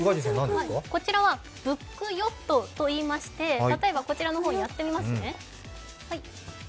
こちらはブックヨットといいまして例えばこちらの方、やってみますね。